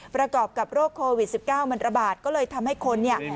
ประกอบกับโรคโควิด๑๙มันระบาดก็เลยทำให้คนเนี่ย